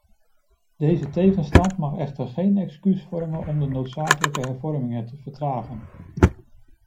Deze tegenstand mag echter geen excuus vormen om de noodzakelijke hervormingen te vertragen.